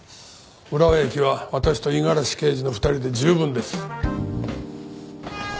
浦和駅は私と五十嵐刑事の２人で十分です。